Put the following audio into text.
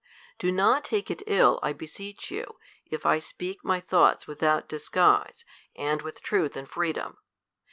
Do not take it ill, I beseech you, if I speak myl thoughts without disguise, and with truth and freedom.